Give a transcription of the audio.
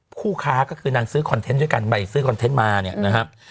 ผู้ค้าคือนังซื้อคอนเทนต์มาด้วยกัน